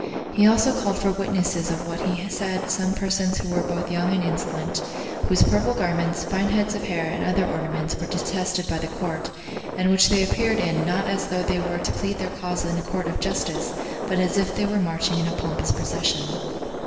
He also called for witnesses of what he said some persons who were both young and insolent; whose purple garments, fine heads of hair, and other ornaments, were detested [by the court], and which they appeared in, not as though they were to plead their cause in a court of justice, but as if they were marching in a pompous procession.